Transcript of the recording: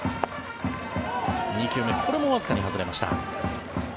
２球目これもわずかに外れました。